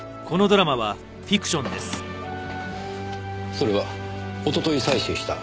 それはおととい採取した。